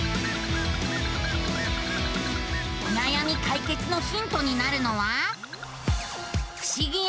おなやみ解決のヒントになるのは。